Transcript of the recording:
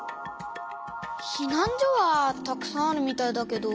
ひなん所はたくさんあるみたいだけど。